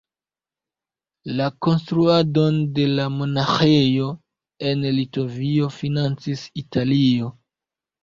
La konstruadon de la monaĥejo en Litovio financis Italio.